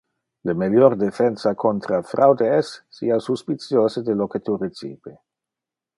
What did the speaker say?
Le melior defensa contra fraude es: sia suspiciose de lo que tu recipe.